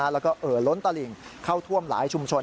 แล้วก็เอ่อล้นตลิ่งเข้าท่วมหลายชุมชน